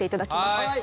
はい。